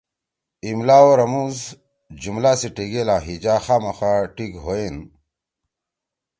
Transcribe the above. املا او رموزجملا سی ٹیگیل آں ہیجا خامخا ٹھیک ہُوئین۔